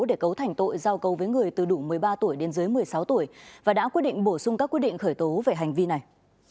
để cấu thành tội giao cầu với người từ đủ một mươi ba tuổi đến dưới một mươi sáu tuổi và đã quyết định bổ sung các quyết định khởi tố về hành vi này